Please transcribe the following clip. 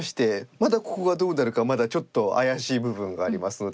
まだここがどうなるかまだちょっと怪しい部分がありますので。